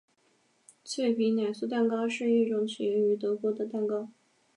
脆皮奶酥蛋糕是一种起源于德国的蛋糕。